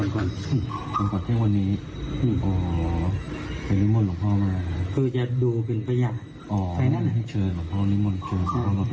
ผู้ติจังส่งอนุมัติออกไปอย่างนี้ค่ะหลุงพ่อ